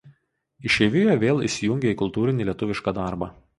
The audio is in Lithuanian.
Išeivijoje vėl įsijungė į kultūrinį lietuvišką darbą.